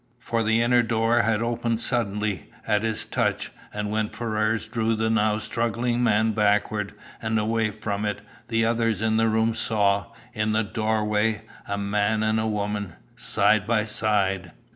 For the inner door had opened suddenly, at his touch, and when Ferrars drew the now struggling man backward, and away from it, the others in the room saw, in the doorway, a man and woman side by side.